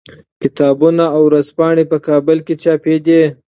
کتابونه او ورځپاڼې په کابل کې چاپېدې.